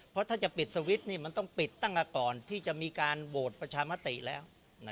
เพราะถ้าจะปิดสวิตช์มันต้องปิดตั้งแต่ก่อนที่จะมีการโหวตประชามติแล้ว